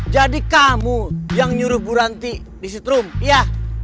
jadi kamu yang nyuruh bu ranti di sutrum ya